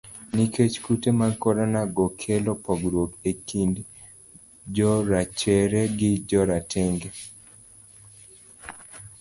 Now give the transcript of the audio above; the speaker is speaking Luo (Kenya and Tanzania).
Nikech kute mag korona go kelo pogruok e kind jorachere gi jorotenge.